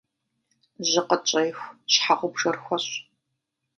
Жьы къытщӏеху, щхьэгъубжэр хуэщӏ.